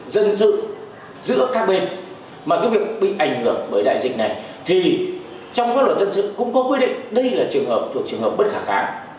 dân sự giữa các bên mà cái việc bị ảnh hưởng bởi đại dịch này thì trong các luật dân sự cũng có quy định đây là trường hợp thuộc trường hợp bất khả kháng